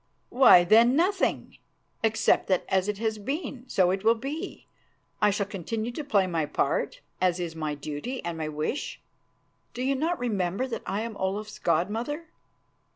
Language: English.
"Why, then nothing, except that as it has been, so it will be. I shall continue to play my part, as is my duty and my wish. Do you not remember that I am Olaf's god mother?"